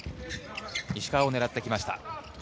石川を狙ってきました。